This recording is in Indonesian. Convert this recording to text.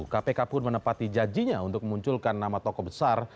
kpk pun menepati janjinya untuk memunculkan nama tokoh besar